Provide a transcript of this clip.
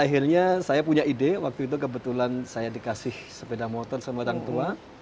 akhirnya saya punya ide waktu itu kebetulan saya dikasih sepeda motor sama orang tua